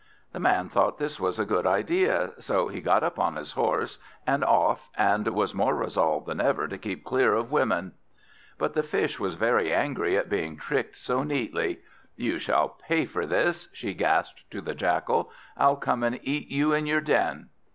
The Man thought this a good idea, so he got up on his horse, and off, and was more resolved than ever to keep clear of women. But the Fish was very angry at being tricked so neatly. "You shall pay for this!" she gasped to the Jackal; "I'll come and eat you in your den."